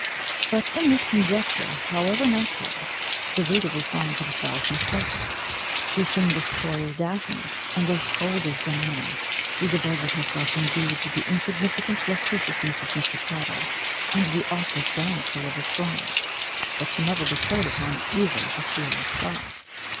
But in this conjecture, however natural, the reader will find himself mistaken. She seemed as coy as Daphne, and as cold as Diana. She diverted herself indeed with the insignificant loquaciousness of Mr. Prattle, and the aukward gallantry of the Squire; but she never bestowed upon either a serious thought.